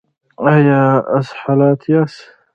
ایا اسهال یاست؟